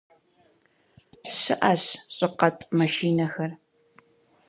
Щыӏэщ щӏыкъэтӏ машинэхэр.